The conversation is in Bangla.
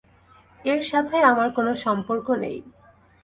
এর সাথে আমার কোনো সম্পর্ক নেই।